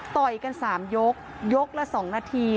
ต่อยกัน๓ยกยกละ๒นาที